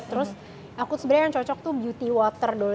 terus aku sebenarnya yang cocok tuh beauty water dulu